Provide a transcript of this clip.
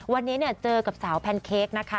วันนี้เจอกับสาวแพนเค้กนะคะ